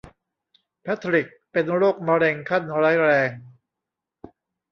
แพททริคเป็นโรคมะเร็งขั้นร้ายแรง